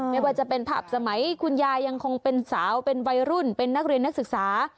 ไม่ว่าจะเป็นภาพสมัยคุณยายยังคงเป็นสาวเป็นวัยรุ่นเป็นนักเรียนนักศึกษา